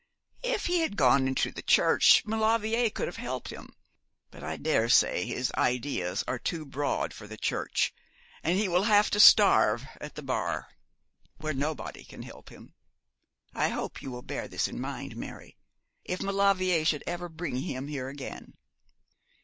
If he had gone into the church Maulevrier could have helped him; but I daresay his ideas are too broad for the church; and he will have to starve at the bar, where nobody can help him. I hope you will bear this in mind, Mary, if Maulevrier should ever bring him here again.'